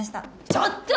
ちょっと！